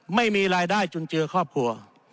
ไม่มีรายได้จุนเจือครอบครัว